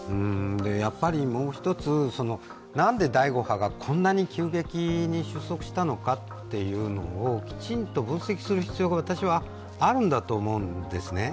やっぱりもう一つ、なんで第５波がこんなに急激に収束したのかということをきちんと分析する必要があるんだと思うんですね。